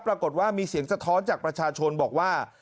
ปรากฏว่ามีเสียงสะท้อนจากประชาชนบอกว่า